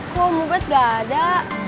kok mumpet gak ada